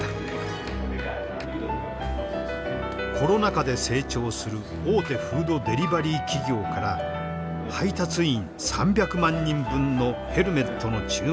コロナ禍で成長する大手フードデリバリー企業から配達員３００万人分のヘルメットの注文が舞い込んだ。